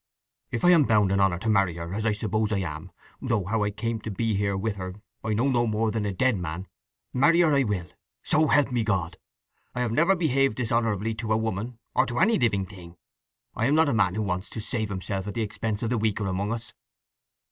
"If I am bound in honour to marry her—as I suppose I am—though how I came to be here with her I know no more than a dead man—marry her I will, so help me God! I have never behaved dishonourably to a woman or to any living thing. I am not a man who wants to save himself at the expense of the weaker among us!"